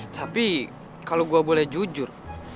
tapi kalau gue boleh jujur